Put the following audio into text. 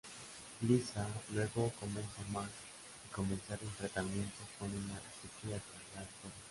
Lisa, luego, convence a Marge de comenzar un tratamiento con una psiquiatra, la Dra.